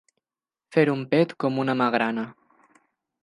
Fer un pet com una magrana.